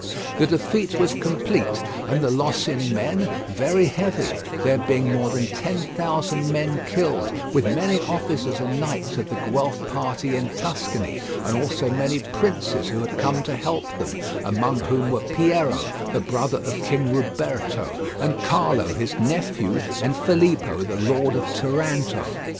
The defeat was complete, and the loss in men very heavy, there being more than ten thousand men killed with many officers and knights of the Guelph party in Tuscany, and also many princes who had come to help them, among whom were Piero, the brother of King Ruberto, and Carlo, his nephew, and Filippo, the lord of Taranto.